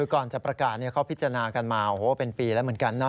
ก่อนจะประกาศเขาพิจารณากันมาเป็นปีแล้วเหมือนกัน